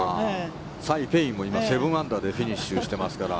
サイ・ペイインも今７アンダーでフィニッシュしていますから。